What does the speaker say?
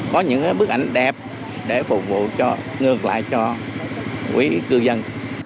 có những bức ảnh đẹp để phục vụ cho ngược lại cho quý cư dân